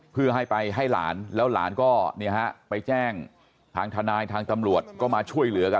เพื่อให้ไปให้หลานแล้วหลานก็ไปแจ้งทางทนายทางตำรวจก็มาช่วยเหลือกัน